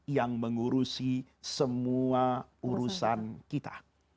yang mengurusi semua urusan kita